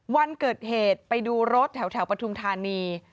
วันเกิดเหตุไปดูรถแถวปฐุมธานี